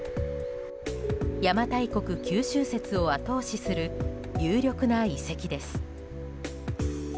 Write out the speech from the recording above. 邪馬台国・九州説を後押しする有力な遺跡です。